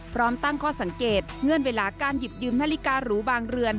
พร้อมตั้งข้อสังเกตเงื่อนเวลาการหยิบยืมนาฬิการูบางเรือน